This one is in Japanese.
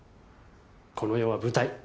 この世は舞台。